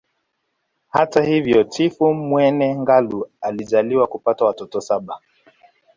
Hata hivyo Chifu Mwene Ngalu alijaaliwa kupata watoto saba